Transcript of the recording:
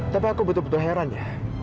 tapi aku betul betul heran ya